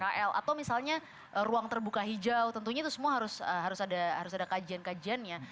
atau misalnya ruang terbuka hijau tentunya itu semua harus ada kajian kajiannya